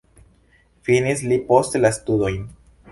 Finis li poste la studojn.